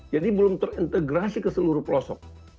jadi belum terintegrasi ke seluruh pelosok